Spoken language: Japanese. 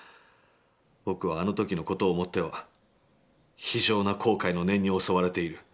僕はあの時の事を思っては、非常な後悔の念に襲われている」。